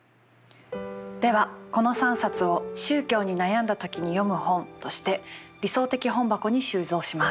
ではこの３冊を「宗教に悩んだ時に読む本」として理想的本箱に収蔵します。